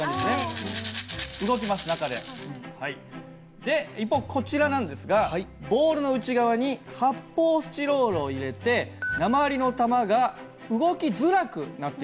で一方こちらなんですがボールの内側に発泡スチロールを入れて鉛の玉が動きづらくなっているんですね。